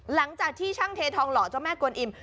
หลังจากที่ช่างเททองหล่อเจ้าแม่กวนอิ่ม